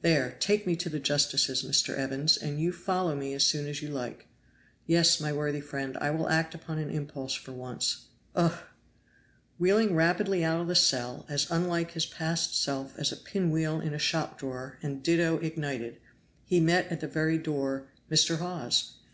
There, take me to the justices, Mr. Evans, and you follow me as soon as you like. Yes, my worthy friend, I will act upon an impulse for once Ugh!" Wheeling rapidly out of the cell, as unlike his past self as a pin wheel in a shop drawer and ditto ignited, he met at the very door Mr. Hawes!